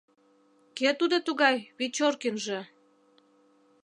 Кӧ тудо тугай Вечоркинже?